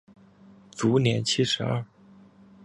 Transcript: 卒年七十二。